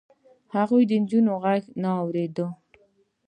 هغوی د نجونو غږ نه اورېد.